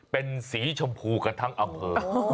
เป็นสีชมพูกันทั้งอำเภอ